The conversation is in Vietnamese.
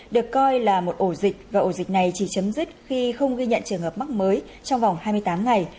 được coi là một ổ dịch và ổ dịch này chỉ chấm dứt khi không ghi nhận trường hợp mắc mới trong vòng hai mươi tám ngày